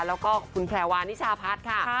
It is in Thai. แล้วก็คุณแพรวานิชาพัฒน์ค่ะ